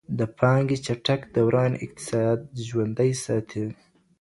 د پانګي چټک دوران اقتصاد ژوندی ساتي.